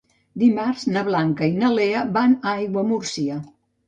Dimarts na Blanca i na Lea van a Aiguamúrcia.